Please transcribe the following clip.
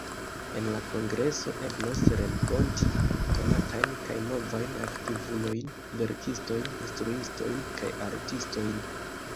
En la kongreso, eblos renkonti konatajn kaj novajn aktivulojn, verkistojn, instruistojn, kaj artistojn.